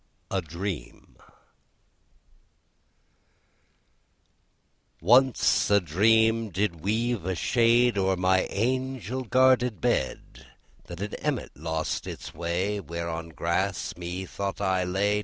A DREAM Once a dream did weave a shade O'er my angel guarded bed, That an emmet lost its way Where on grass methought I lay.